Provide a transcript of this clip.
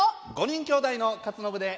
５人きょうだいの克信で。